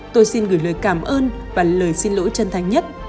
tôi xin gửi lời cảm ơn và lời xin lỗi chân thành nhất